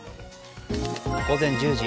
午前１０時。